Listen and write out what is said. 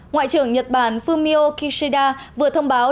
ngoại trưởng nhật bản fumio kishida vừa thông báo